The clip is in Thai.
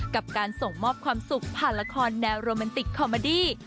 กับการส่งมอบความสุขผ่านละครแนวโรแมนติกคอมเมอดี้